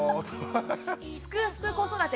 「すくすく子育て」